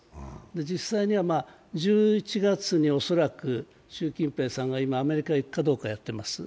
実際には１１月に恐らく習近平さんがアメリカに行くかどうかやっています。